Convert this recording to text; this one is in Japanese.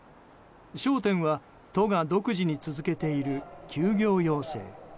焦点は、都が独自に続けている休業要請。